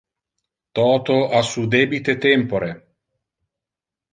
Toto a su debite tempore.